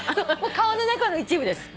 顔の中の一部です。